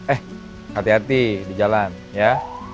eh hati hati di jalan ya